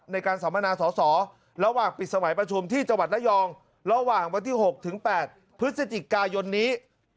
ในการสำนานสสระหว่างปิดสมัยประชุมที่จนระหว่างวันที่๖๘พฤศจิกายนนี้